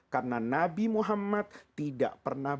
karena nabi muhammad tidak pernah